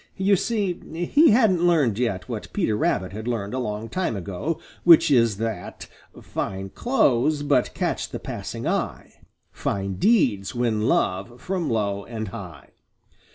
You see, he hadn't learned yet what Peter Rabbit had learned a long time ago, which is that Fine clothes but catch the passing eye; Fine deeds win love from low and high.